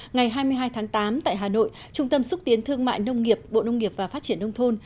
ngày hai mươi hai tháng tám tại hà nội trung tâm xúc tiến thương mại nông nghiệp bộ nông nghiệp và phát triển nông thôn